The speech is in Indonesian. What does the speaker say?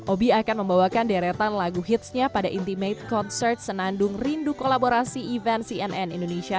obi akan membawakan deretan lagu hitsnya pada intimate concert senandung rindu kolaborasi event cnn indonesia